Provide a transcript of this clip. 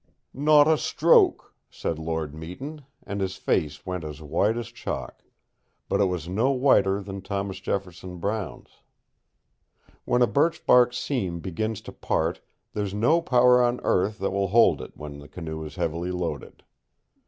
"Not a stroke," said Lord Meton, and his face went as white as chalk; but it was no whiter than Thomas Jefferson Brown's. When a birchbark seam begins to part there's no power on earth that will hold it when the canoe is heavily loaded.